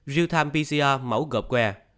real time pcr mẫu gợp que